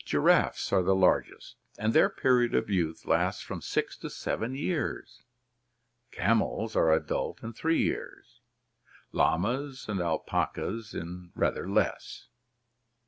Giraffes are the largest, and their period of youth lasts from six to seven years. Camels are adult in three years, llamas and alpacas in rather less.